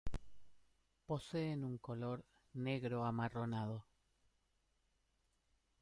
Poseen un color negro o amarronado.